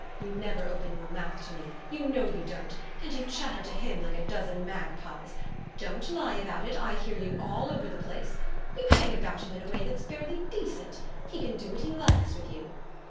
You never open your mouth to me you know you don't; and you chatter to him like a dozen magpies. Don't lie about it I hear you all over the place. You hang about him in a way that's barely decent he can do what he likes with you.